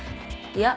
いや。